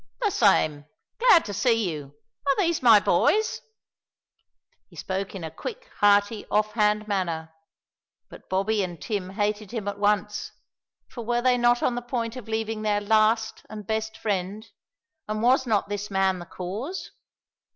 "The same. Glad to see you. Are these my boys?" He spoke in a quick, hearty, off hand manner, but Bobby and Tim hated him at once, for were they not on the point of leaving their last and best friend, and was not this man the cause?